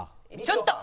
ちょっと！